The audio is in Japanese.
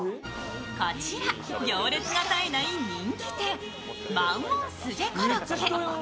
こちら、行列が絶えない人気店、マンウォンスジェコロッケ。